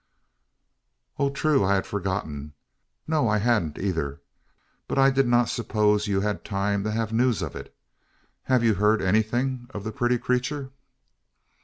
"Oh, true! I had forgotten. No, I hadn't either; but I did not suppose you had time to have news of it. Have you heard anything of the pretty creature?"